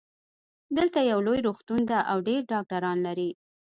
دلته یو لوی روغتون ده او ډېر ډاکټران لری